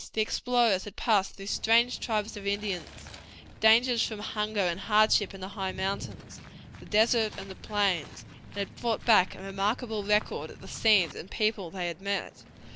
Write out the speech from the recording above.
The explorers had passed through strange tribes of Indians, dangers from hunger and hardship in the high mountains, the desert, and the plains, and had brought back a remarkable record of the scenes and people they had met.